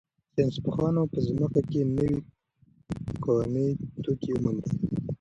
ساینس پوهانو په ځمکه کې نوي کاني توکي وموندل.